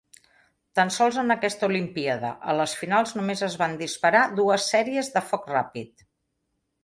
Tan sols en aquesta Olimpíada, a les finals només es van disparar dues sèries de foc ràpid.